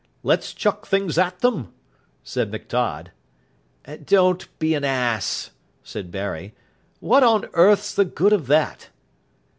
"Let's chuck things at them," said McTodd. "Don't be an ass," said Barry. "What on earth's the good of that?"